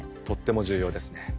とっても重要ですね。